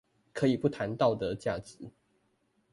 可以不談道德價值